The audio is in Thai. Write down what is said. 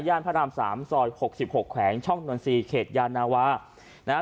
ย่านพระราม๓ซอย๖๖แขวงช่องหนวน๔เขตยานาวา